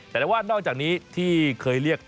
แต่ว่านอกจากนี้ที่เคยเรียก